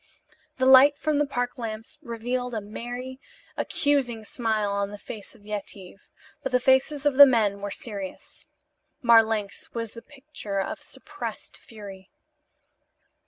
The light from the park lamps revealed a merry, accusing smile on the face of Yetive, but the faces of the men were serious. Marlanx was the picture of suppressed fury.